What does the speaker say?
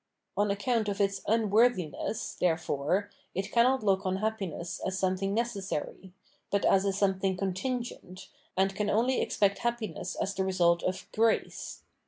On account of its " unworthiness," therefore, it cannot look on happiness as something necessary, but as a something contingent, and can only expect happi ness as the result of " grace."